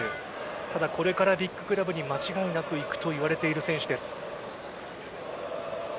ただ、これからビッグクラブに間違いなく行くといわれている選手です。